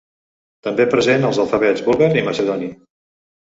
També present als alfabets búlgar i macedoni.